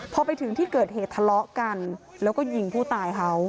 พอไปถึงที่เกิดเหตุทะเลาะกันแล้วก็ยิงผู้ตายเขา